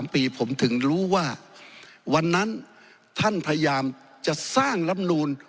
ปีผมถึงรู้ว่าวันนั้นท่านพยายามจะสร้างลำนูน